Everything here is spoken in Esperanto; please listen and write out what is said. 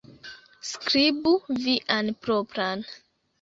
Skribu vian propran